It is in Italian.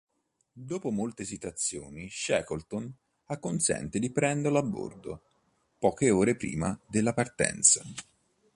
Dopo molte esitazioni Shackleton acconsente di prenderlo a bordo poche ore prima della partenza.